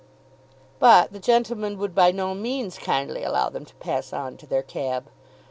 "] But the gentleman would by no means kindly allow them to pass on to their cab.